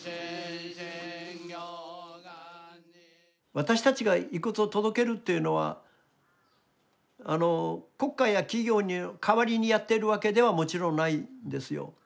私たちが遺骨を届けるというのは国家や企業の代わりにやってるわけではもちろんないですよ。